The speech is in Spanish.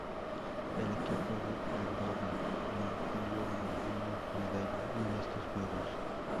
El equipo de Andorra no ha obtenido ninguna medalla en estos Juegos.